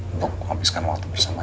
untuk ngabiskan waktu bersama